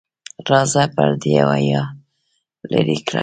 راځه پردې او حیا لرې کړه.